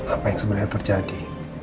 apa yang sebenernya terjadi